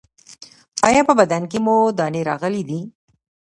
ایا په بدن مو دانې راغلي دي؟